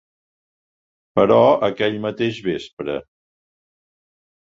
Però aquell mateix vespre...